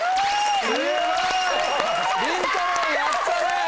すごい！りんたろうやったね！